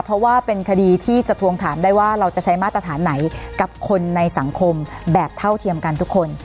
เพราะว่าเป็นคดีที่จะทวงถามได้ว่าเราจะใช้มาตรฐานไหนกับคนในสังคมแบบเท่าเทียมกันทุกคน